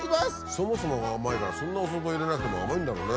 そもそもが甘いからそんなお砂糖入れなくても甘いんだろうね。